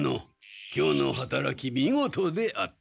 今日のはたらきみごとであった。